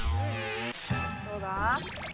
どうだ？